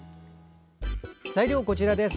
材料こちらです。